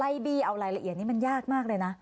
บี้เอารายละเอียดนี้มันยากมากเลยนะ